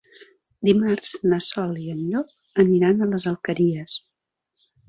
Dimarts na Sol i en Llop aniran a les Alqueries.